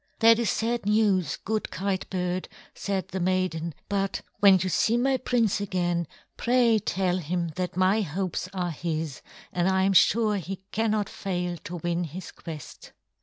"That is sad news, good Kite bird," said the maiden, "but when you see my prince again, pray tell him that my hopes are his, and I am sure he cannot fail to win his quest."